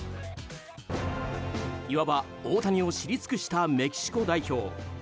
いわば、大谷を知り尽くしたメキシコ代表。